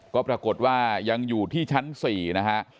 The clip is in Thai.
ก็ปรากฏว่ายังอยู่ที่ชั้น๔นะฮะ